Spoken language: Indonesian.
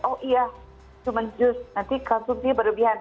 oh iya cuma jus nanti konsumsinya berlebihan